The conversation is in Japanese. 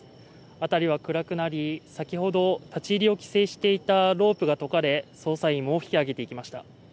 辺りはくらくなり、先ほど立ち入りを規制していたロープも解かれ捜査員も引き上げていきました。